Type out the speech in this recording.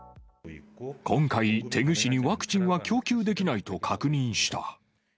今回、テグ市にワクチンは供給できないと確認した。